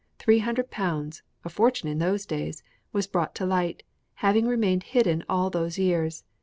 Three hundred pounds a fortune in those days was brought to light, having remained hidden all those years.